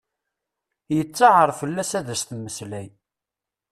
Yettaɛer fell-as ad as-temmeslay.